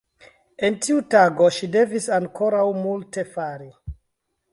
En tiu tago ŝi devis ankoraŭ multe fari.